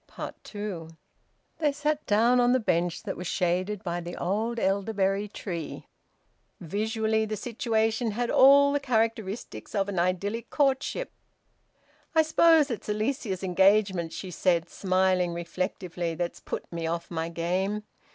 TWO. They sat down on the bench that was shaded by the old elderberry tree. Visually, the situation had all the characteristics of an idyllic courtship. "I suppose it's Alicia's engagement," she said, smiling reflectively, "that's put me off my game.